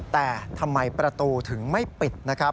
แต่ทำไมประตูถึงไม่ปิดนะครับ